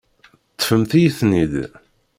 Ṭṭfemt-iyi-ten-id.